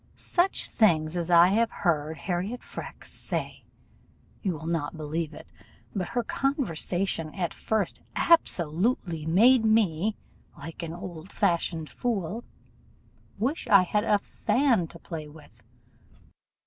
Such things as I have heard Harriot Freke say! You will not believe it but her conversation at first absolutely made me, like an old fashioned fool, wish I had a fan to play with.